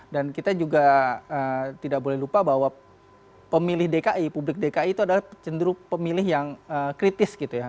dan kita juga tidak boleh lupa bahwa pemilih dki publik dki itu adalah cenderung pemilih yang kritis gitu ya